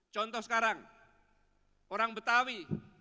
contoh sekarang orang betawi